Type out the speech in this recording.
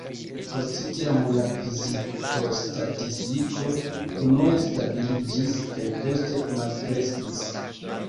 Post tiam la vizitostatistiko unue stabiliĝis, kaj poste malkreskis.